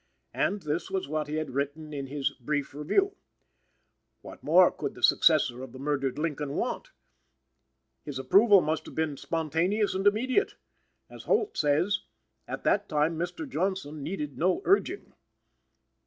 And this was what he had written in his "Brief Review." What more could the successor of the murdered Lincoln want? His approval must have been spontaneous and immediate. As Holt says, "at that time Mr. Johnson needed no urging."